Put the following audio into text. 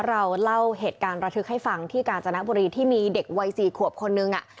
เราเล่าเหตุการณ์ระทึกให้ฟังที่กาญจนบุรีที่มีเด็กวัยสี่ขวบคนนึงอ่ะ